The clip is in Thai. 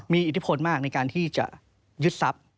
มีอิทธิพลมากในการที่จะยึดทรัพย์